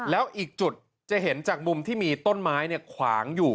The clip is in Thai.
แล้วอีกจุดจะเห็นจากมุมที่มีต้นไม้ขวางอยู่